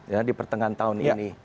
ya di pertengahan tahun ini